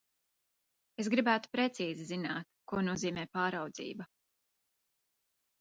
Es gribētu precīzi zināt, ko nozīmē pārraudzība.